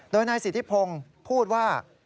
โดยนายสิทธิพงศ์พูดว่า